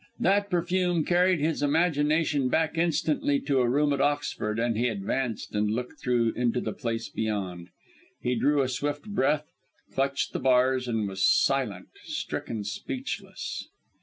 That perfume carried his imagination back instantly to a room at Oxford, and he advanced and looked through into the place beyond. He drew a swift breath, clutched the bars, and was silent stricken speechless.